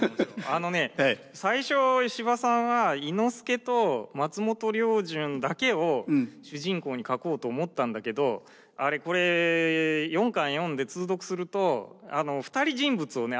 あのね最初司馬さんは伊之助と松本良順だけを主人公に描こうと思ったんだけどこれ４巻読んで通読すると２人人物をね